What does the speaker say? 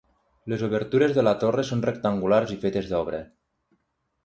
Les obertures de la torre són rectangulars i fetes d'obra.